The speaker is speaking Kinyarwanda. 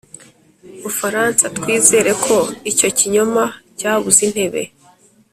bufaransa. twizere ko icyo kinyoma cyabuze intebe